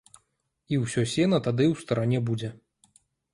І ўсё сена тады ў старане будзе.